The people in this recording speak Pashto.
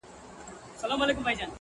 شين د شانه معلومېږي.